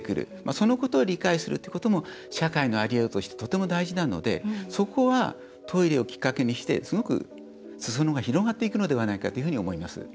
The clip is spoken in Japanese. そのことが見えてくるのも社会の在りようとしてとても大事なので、そこはトイレをきっかけにしてすごくすそ野が広がっていくのではないかと思います。